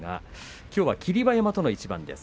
きょうは霧馬山との一番です。